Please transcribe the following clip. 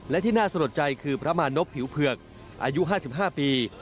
และที่น่าสะลดใจคือพระมานพผิวเผือกอายุ๕๕ปี